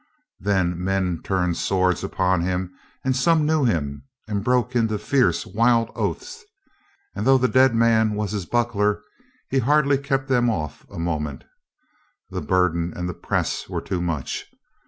Then men turned swords upon him and some knew him and broke into fierce, wild oaths and though the dead man was his buckler, he hardly kept them off" a moment. The burden and the press were too much.